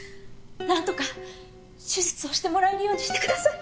なんとか手術をしてもらえるようにしてください。